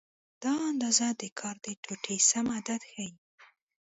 دا اندازه د کار د ټوټې سم عدد ښیي.